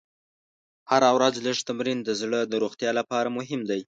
هره ورځ لږ تمرین د زړه د روغتیا لپاره مهم دی.